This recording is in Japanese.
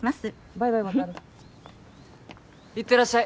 バイバイワタル行ってらっしゃい